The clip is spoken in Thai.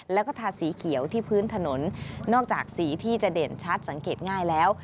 แล้วก็ทาสีเขียวที่พื้นถนนนอกจากสีที่จะเด่นชัดสังเกตง่ายแล้ว